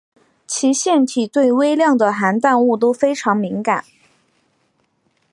其腺体对微量的含氮物都非常敏感。